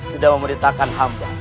sudah memerintahkan hamba